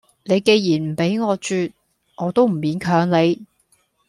你既然唔畀我啜，我都唔勉強你